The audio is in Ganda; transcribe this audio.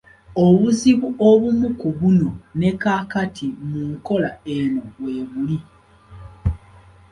Obuzibu obumu ku buno ne kaakati mu nkola eno weebuli.